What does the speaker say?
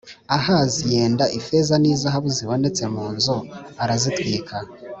Ahazi yenda ifeza n izahabu zibonetse mu nzu arazitwara